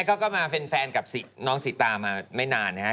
ก็มาเป็นแฟนกับน้องสีตามาไม่นานนะฮะ